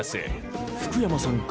福山さんから。